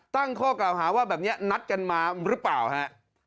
ตั้งข้อกล่าวหาว่าแบบนี้นัดกันมาหรือเปล่าฮะ